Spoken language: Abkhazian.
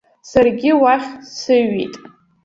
Саргьы уахь сыҩит.